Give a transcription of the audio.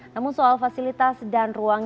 namun soal fasilitasnya